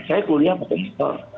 saya kuliah pakai motor